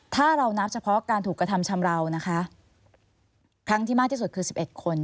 ถ้าเรานับเฉพาะการถูกกระทำชำราวนะคะครั้งที่มากที่สุดคือ๑๑คน